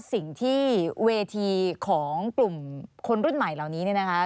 สิ่งที่เวทีของกลุ่มคนรุ่นใหม่เหล่านี้เนี่ยนะคะ